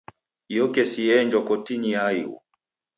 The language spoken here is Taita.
Iyo kesi yeenjwa kotinyi ya ighu.